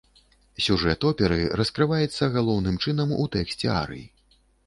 Сюжэт оперы раскрываецца галоўным чынам у тэксце арый.